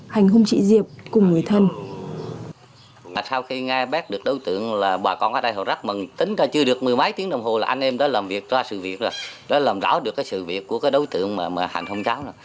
hành hôn chị diệp cùng người thân